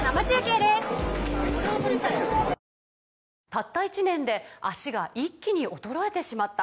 「たった１年で脚が一気に衰えてしまった」